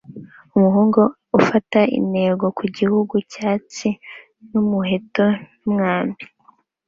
Umuhungu ufata intego ku gihuru cyatsi n'umuheto n'umwambi